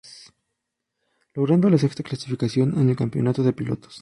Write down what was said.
Logrando la sexta clasificación en el campeonato de pilotos.